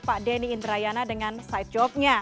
pak denny indrayana dengan side jobnya